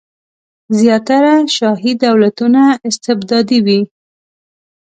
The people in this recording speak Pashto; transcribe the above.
زیاتره شاهي دولتونه استبدادي وي.